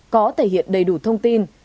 có thể hiện đầy đủ thông tin